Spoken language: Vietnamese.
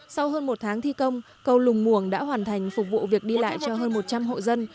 sau hơn một tháng thi công cầu lùng muồng đã hoàn thành phục vụ việc đi lại cho hơn một trăm linh hộ dân